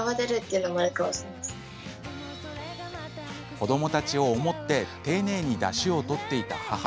子どもたちを思って丁寧にダシを取っていた母。